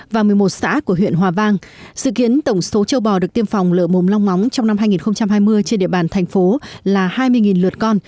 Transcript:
và một mươi một xã của huyện hòa vang sự kiến tổng số châu bò được tiêm phòng lở mồm long móng trong năm hai nghìn hai mươi trên địa bàn thành phố là hai mươi lượt con